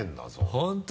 本当？